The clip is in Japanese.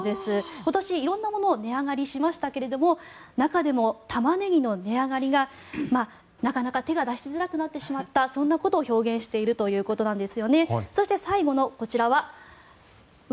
今年、色んなものが値上がりしましたが中でもタマネギの値上がりがなかなか手が出しづらくなってしまったそんなことを表現しているということです。